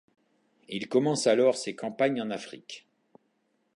Il commence alors ses campagnes en Afrique.